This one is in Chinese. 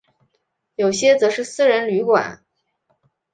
有些则是私人旅馆。